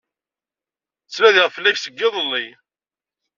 Ttnadiɣ fell-ak seg yiḍelli.